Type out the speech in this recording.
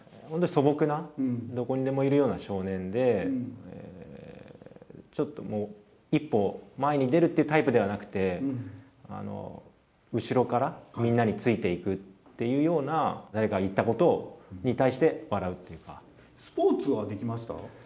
本当に素朴な、どこにでもいるような少年で、ちょっともう、一歩前に出るっていうタイプではなくて、後ろからみんなについていくっていうような、誰かが言ったことにスポーツはできました？